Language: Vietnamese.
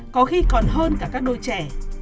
có khi còn hơn cả các đôi trẻ